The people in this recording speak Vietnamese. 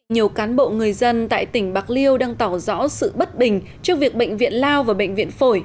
nhiều cán bộ người dân tại tỉnh bạc liêu đang tỏ rõ sự bất bình trước việc bệnh viện lao và bệnh viện phổi